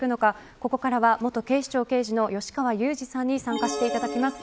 ここからは元警視庁刑事の吉川祐二さんに参加していただきます。